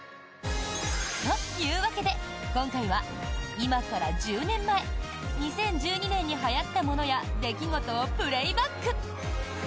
と、いうわけで今回は今から１０年前２０１２年にはやったものや出来事をプレーバック！